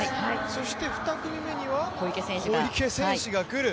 そして２組目には小池選手が来る。